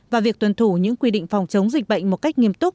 và việc tuân thủ những quy định phòng chống dịch bệnh một cách nghiêm túc